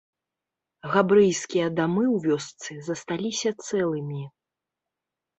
Габрэйскія дамы ў вёсцы засталіся цэлымі.